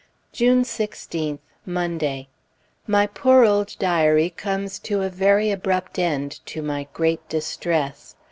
June 16th, Monday. My poor old diary comes to a very abrupt end, to my great distress.